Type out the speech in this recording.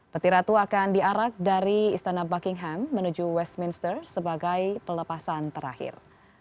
peti ratu akan diarak dari istana buckingham menuju westminster sebagai pelepasan terakhir